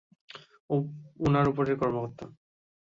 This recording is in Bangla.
উনার উপরের কর্মকর্তা।